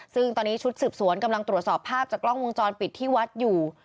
ซึ่งตอนนี้ชุดสืบสวนกำลังตรวจสอบภาพจากกล้องวงจรปิดที่วัดอยู่